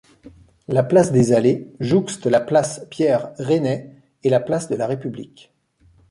La place des Allées jouxte la place Pierre-Rénet et la place de la République.